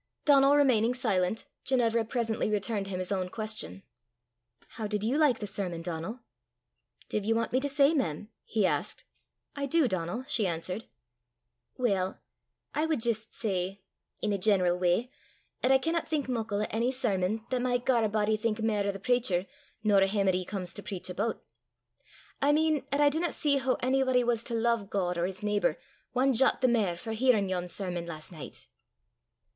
Donal remaining silent, Ginevra presently returned him his own question: "How did you like the sermon, Donal?" "Div ye want me to say, mem?" he asked. "I do, Donal," she answered. "Weel, I wad jist say, in a general w'y, 'at I canna think muckle o' ony sermon 'at micht gar a body think mair o' the precher nor o' him 'at he comes to prech aboot. I mean, 'at I dinna see hoo onybody was to lo'e God or his neebour ae jot the mair for hearin' yon sermon last nicht."